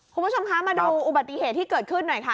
คุณผู้ชมคะมาดูอุบัติเหตุที่เกิดขึ้นหน่อยค่ะ